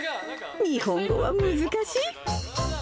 日本語は難しい。